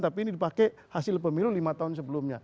tapi ini dipakai hasil pemilu lima tahun sebelumnya